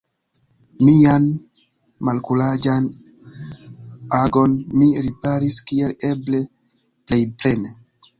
Mian malkuraĝan agon mi riparis kiel eble plej plene.